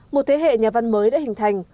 một thế hệ nhà văn mới đã hình thành